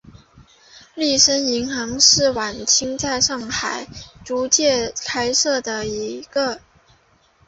利升银行是晚清在上海租界开设的一家英资银行。